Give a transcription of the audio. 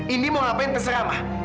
indi mau ngapain terserah mak